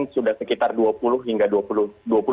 sudah sekitar dua puluh hingga dua puluh